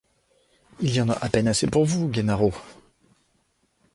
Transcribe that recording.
Il y en a à peine assez pour vous, Gennaro!